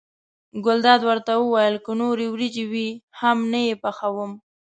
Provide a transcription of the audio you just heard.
ګلداد ورته وویل که نورې وریجې وي هم نه یې پخوم.